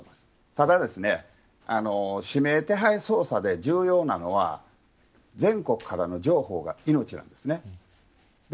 ただ、指名手配捜査で重要なのは全国からの情報が命なんです。